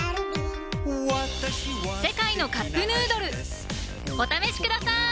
「世界のカップヌードル」お試しください！